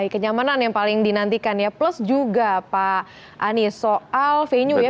kenyamanan yang paling dinantikan ya plus juga pak anies soal venue ya